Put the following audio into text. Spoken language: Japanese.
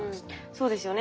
そうですね。